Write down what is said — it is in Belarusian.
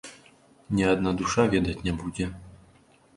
Ні адна душа ведаць не будзе!